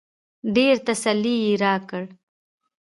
ډېر تسل يې راکړ.